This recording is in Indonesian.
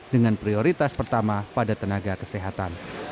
dengan prioritas pertama pada tenaga kesehatan